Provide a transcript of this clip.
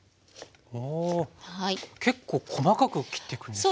お結構細かく切っていくんですね。